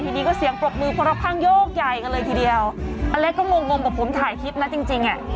ทีนี้ก็เสียงปรบมือคนละข้างโยกใหญ่กันเลยทีเดียวอเล็กก็งงงกับผมถ่ายคลิปนะจริงจริงอ่ะ